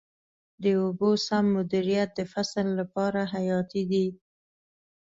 د اوبو سم مدیریت د فصل لپاره حیاتي دی.